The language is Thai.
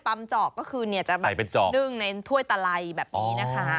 จอกก็คือจะแบบนึ่งในถ้วยตะไลแบบนี้นะคะ